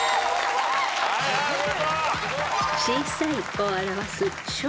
はいはいお見事。